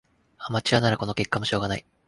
アマチュアならこの結果もしょうがない